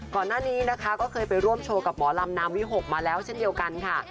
ก่อนหน้านี้นะคะก็เคยไปร่วมโชว์กับหมอลำนามวิหกมาแล้วเช่นเดียวกันค่ะ